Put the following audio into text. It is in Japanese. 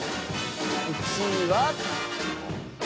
１位は。